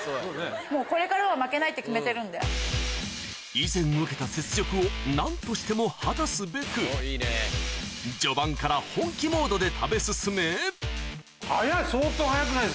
以前受けた雪辱を何としても果たすべく序盤から本気モードで食べ進め早い！